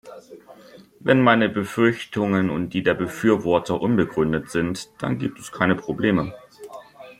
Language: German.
Wenn meine Befürchtungen und die der Befürworter unbegründet sind, dann gibt es keine Probleme.